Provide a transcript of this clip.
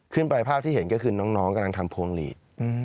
ภาพที่เห็นก็คือน้องกำลังทำพวงหลีด